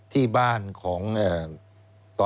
สวัสดีครับคุณผู้ชมค่ะต้อนรับเข้าที่วิทยาลัยศาสตร์